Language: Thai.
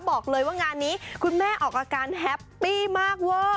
บอกเลยว่างานนี้คุณแม่ออกอาการแฮปปี้มากเวอร์